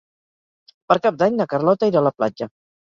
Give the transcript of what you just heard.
Per Cap d'Any na Carlota irà a la platja.